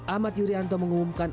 ahmad yuryanto mengumumkan